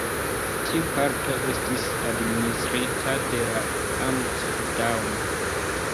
Tiu parto estis administrita de la Amt Daun.